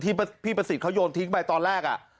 พี่ประสิทธิ์เขาโยนทิ้งไปตอนแรก